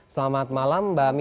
selamat malam mbak mia